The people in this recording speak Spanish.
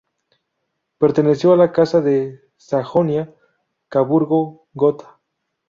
Perteneció a la Casa de Sajonia-Coburgo-Gotha.